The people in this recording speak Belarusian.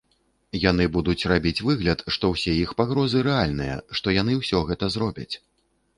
Яны будуць рабіць выгляд, што ўсе іх пагрозы рэальныя, што яны ўсё гэта зробяць.